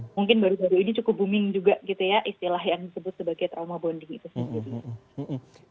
mungkin baru baru ini cukup booming juga gitu ya istilah yang disebut sebagai trauma bonding itu sendiri